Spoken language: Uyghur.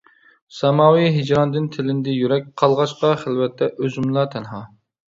ساماۋى ھىجراندىن تىلىندى يۈرەك، قالغاچقا خىلۋەتتە ئۆزۈملا تەنھا.